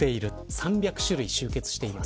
３００種類、集結しています。